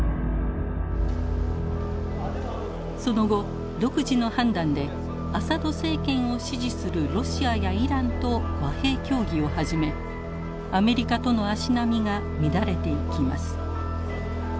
その後独自の判断でアサド政権を支持するロシアやイランと和平協議を始めアメリカとの足並みが乱れていきます。